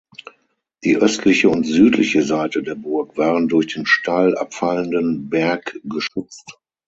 Die östliche und südliche Seite der Burg waren durch den steil abfallenden Berg geschützt.